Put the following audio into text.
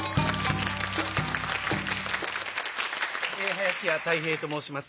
林家たい平と申します。